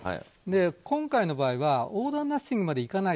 今回の場合はオールオアナッシングまではいかない。